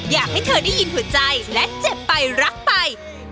อยากให้เธอได้ยินหัวใจและเจ็บไปรักไป